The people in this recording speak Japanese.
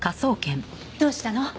どうしたの？